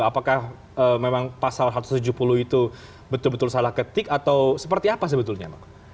apakah memang pasal satu ratus tujuh puluh itu betul betul salah ketik atau seperti apa sebetulnya bang